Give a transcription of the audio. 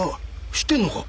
知ってんのか？